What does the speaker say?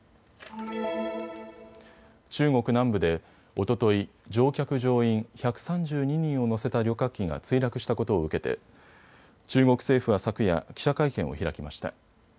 中国南部でおととい、乗客乗員１３２人を乗せた旅客機が墜落したことを受けて中国政府は昨夜、記者会見を開きました。